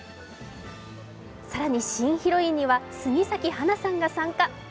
更に新ヒロインには杉咲花さんが参加。